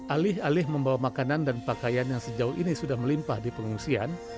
alih alih membawa makanan dan pakaian yang sejauh ini sudah melimpah di pengungsian